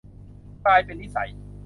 กลายเป็นนิสัย